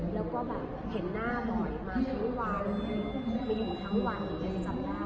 แล้วก็แบบเห็นหน้าบ่อยมาทั้งวันมาอยู่ทั้งวันหรือยังจะจำได้